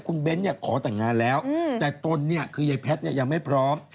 คุณเบ้นต์ขอแต่งงานแล้วแต่ตนคือไอ้แพทย์ยังไม่พร้อม